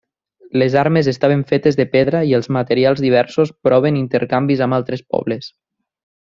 Les armes estaven fetes de pedra i els materials diversos proven intercanvis amb altres pobles.